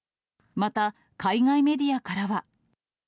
また、海外メディアからは。